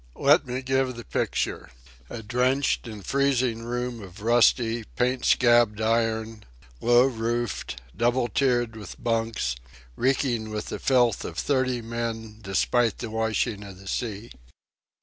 Let me give the picture: A drenched and freezing room of rusty, paint scabbed iron, low roofed, double tiered with bunks, reeking with the filth of thirty men, despite the washing of the sea.